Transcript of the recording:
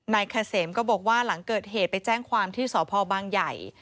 นายเกษมก็บอกว่าหลังเกิดเหตุไปแจ้งความที่สพบางใหญ่